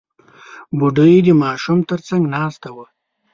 بوډۍ د ماشوم تر څنګ ناسته وه.